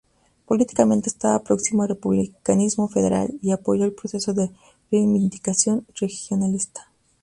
Políticamente estaba próximo al republicanismo federal y apoyó el proceso de reivindicación regionalista.